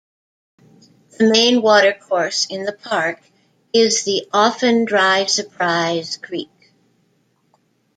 The main watercourse in the park is the often dry Surprise Creek.